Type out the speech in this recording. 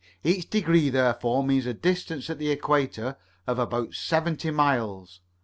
Each degree therefore means a distance at the equator of about seventy miles.